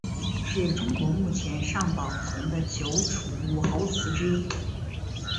是中国目前尚保存的九处武侯祠之一。